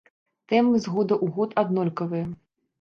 Тэмы з года ў год аднолькавыя.